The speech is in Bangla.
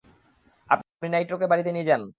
আপনি নাইট্রোকে বাড়িতে নিয়ে যান?